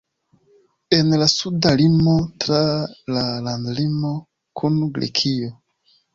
En la suda limo tra la landlimo kun Grekio.